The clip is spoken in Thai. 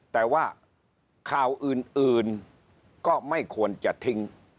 แต่ว่าข่าวอื่นก็ไม่ควรจะทิ้ง